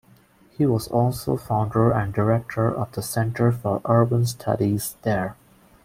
He was also founder and director of the Center for Urban Studies there.